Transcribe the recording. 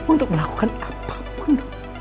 untuk melakukan apapun